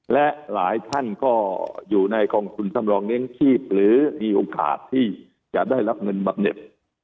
และหลายท่านก็อยู่ในกองทุนสำรองเลี้ยงชีพหรือมีโอกาสที่จะได้รับเงินบำเน็ต